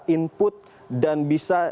input dan bisa